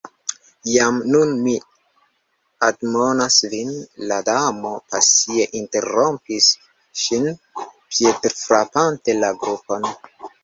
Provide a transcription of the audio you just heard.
"Jam nun mi admonas vin," la Damo pasie interrompis ŝin, piedfrapante la grundon